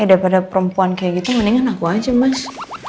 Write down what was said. daripada perempuan kayak gitu mendingan aku aja mas